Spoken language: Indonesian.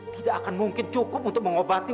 tidak akan mungkin cukup untuk mengobati